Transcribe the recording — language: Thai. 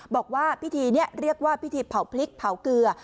บอกว่าพิธีนี้เรียกว่าพิธีเผาพริกเผาเกลือ